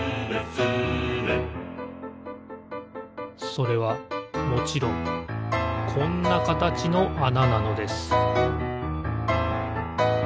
それはもちろんこんなかたちのあななのです